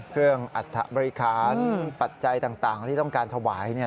เครื่องอัฐบริคารอืมปัจจัยต่างต่างที่ต้องการถวายเนี่ย